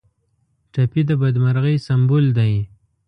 ټپي د بدمرغۍ سمبول دی.